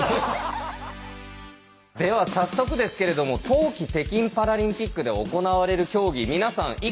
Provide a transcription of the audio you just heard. では早速ですけれども冬季北京パラリンピックで行われる競技皆さん